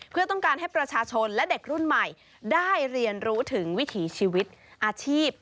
เพื่อต้องการให้ประชาชนและเด็กรุ่นใหม่ได้เรียนรู้ถึงวิถีชีวิตอาชีพ